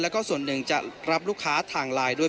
แล้วก็ส่วนหนึ่งจะรับลูกค้าทางไลน์ด้วย